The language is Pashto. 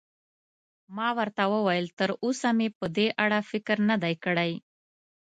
ما ورته وویل: تراوسه مې په دې اړه فکر نه دی کړی.